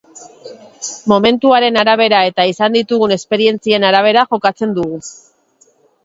Momentuaren arabera eta izan ditugun esperientzien arabera jokatzen dugu.